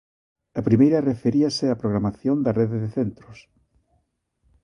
A primeira referíase á programación da rede de centros.